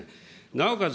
なおかつ